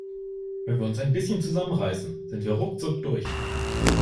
Wenn wir uns ein bisschen zusammen reißen, sind wir ruckzuck durch.